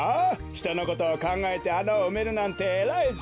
ひとのことをかんがえてあなをうめるなんてえらいぞ。